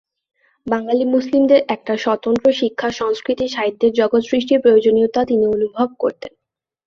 বাঙ্গালী মুসলিমদের একটা স্বতন্ত্র শিক্ষা, সংস্কৃতি, সাহিত্যের জগৎ সৃষ্টির প্রয়োজনীয়তা তিনি অনুভব করতেন।